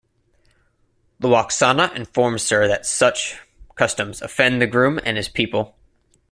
Lwaxana informs her that such customs offend the groom and his people.